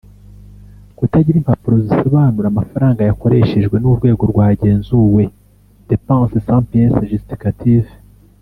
Kutagira impapuro zisobanura amafaranga yakoreshejwe n‘ urwego rwagenzuwe (Dépenses sans pièces justificatives);